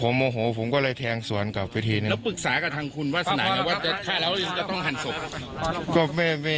ก็ไม่ได้ปรึกษาอะไรนะครับ